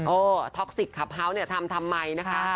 ท็อกซิกคลับเฮาส์เนี่ยทำทำไมนะคะ